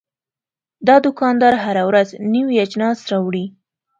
دا دوکاندار هره ورځ نوي اجناس راوړي.